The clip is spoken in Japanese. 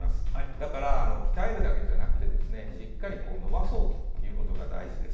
だから、鍛えるだけじゃなくてしっかり伸ばすことが大事です。